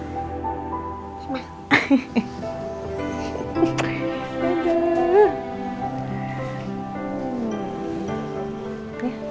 dulu abis itu kita